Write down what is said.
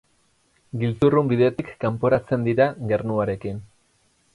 Giltzurrun bidetik kanporatzen dira gernuarekin.